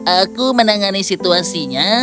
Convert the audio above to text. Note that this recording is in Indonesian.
aku menangani situasinya